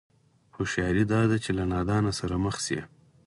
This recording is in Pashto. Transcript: هوښياري دا ده چې له نادانه سره مخ شي.